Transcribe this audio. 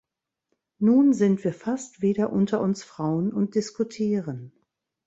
Nun sind wir fast wieder unter uns Frauen und diskutieren.